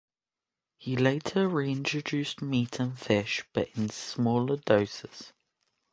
He later reintroduced meat and fish, but in smaller doses.